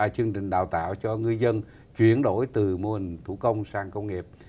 chương trình đào tạo cho ngư dân chuyển đổi từ mô hình thủ công sang công nghiệp